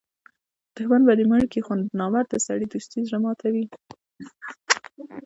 دوښمن به دي مړ کي؛ خو د نامرده سړي دوستي زړه ماتوي.